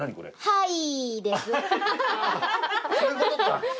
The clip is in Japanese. はい。